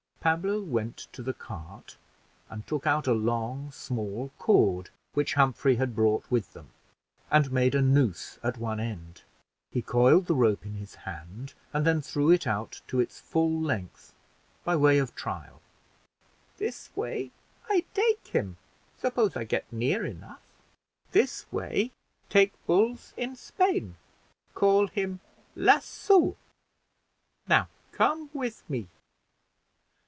Pablo went to the cart, and took out a long small cord, which Humphrey had brought with them, and made a noose at one end; he coiled the rope in his hand, and then threw it out to its full length, by way of trial. "This way I take him, suppose I get near enough. This way take bulls in Spain; call him Lasso. Now come with me."